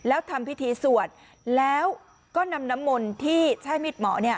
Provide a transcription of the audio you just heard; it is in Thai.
แล้วทำพิธีสวดแล้วก็นำนมนที่เช่นมีดหมอ